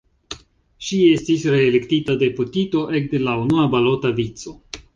Ŝi estis reelektita deputito ekde la unua balota vico.